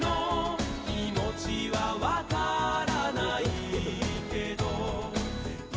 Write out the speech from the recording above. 「気持ちはわからないけど」